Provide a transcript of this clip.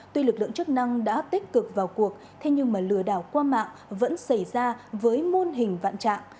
tuy lực lượng chức năng đã tích cực vào cuộc thế nhưng mà lừa đảo qua mạng vẫn xảy ra với môn hình vạn trạng